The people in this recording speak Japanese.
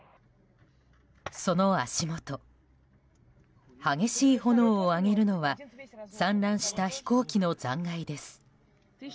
その足元、激しい炎を上げるのは散乱した飛行機の残骸です。